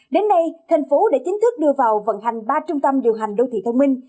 đến nay thành phố đã chính thức đưa vào vận hành ba trung tâm điều hành đô thị thông minh